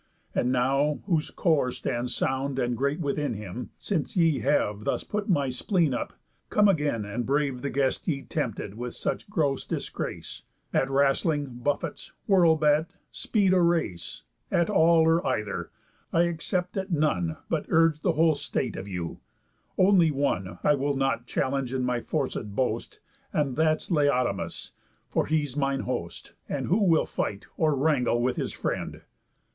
And now, whose core Stands sound and great within him, since ye have Thus put my spleen up, come again and brave The guest ye tempted, with such gross disgrace, At wrastling, buffets, whirlbat, speed o' race; At all, or either, I except at none, But urge the whole state of you; only one, I will not challenge in my forced boast, And that's Laodamas, for he's mine host. And who will fight, or wrangle, with his friend?